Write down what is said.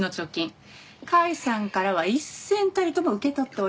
甲斐さんからは一銭たりとも受け取っておりません。